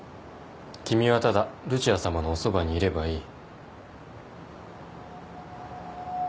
君はただルチアさまのおそばにいればいい。